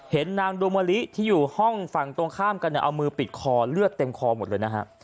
นางดวงมะลิที่อยู่ห้องฝั่งตรงข้ามกันเอามือปิดคอเลือดเต็มคอหมดเลยนะฮะ